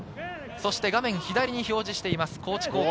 画面左に表示しています高知高校。